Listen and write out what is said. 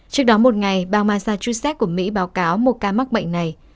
trước đó một ngày bang mazachusett của mỹ báo cáo một ca mắc bệnh này